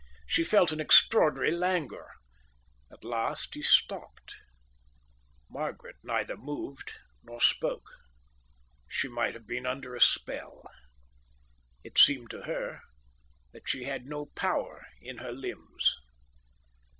She felt an extraordinary languor. At last he stopped. Margaret neither moved nor spoke. She might have been under a spell. It seemed to her that she had no power in her limbs.